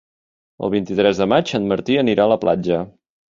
El vint-i-tres de maig en Martí anirà a la platja.